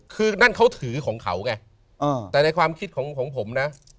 คือนั่นเขาถือของเขาไงแต่ในความคิดของผมนะ